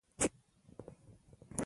د مطالعې له لارې علم پراخېږي.